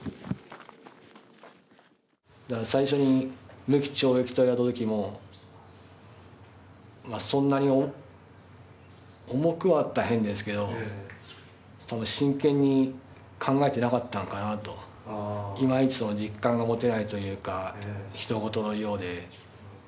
最初に無期懲役と言われたときも、そんなに重くはと言ったら変ですけど、多分、真剣に考えてなかったのかなといまいち実感が持てないというか、ひと事のようで。